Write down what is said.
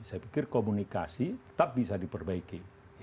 saya pikir komunikasi tetap bisa diperbaiki